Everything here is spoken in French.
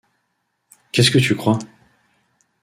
Qu’est-ce que tu crois ?